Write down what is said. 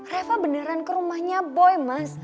reva beneran ke rumahnya boy mas